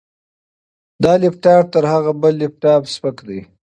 دا لپټاپ تر هغه بل لپټاپ سپک دی.